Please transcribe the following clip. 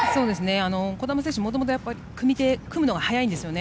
児玉選手はもともと組むのが早いんですよね。